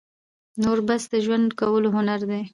نور بس د ژوند کولو هنر دى،